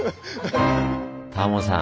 タモさん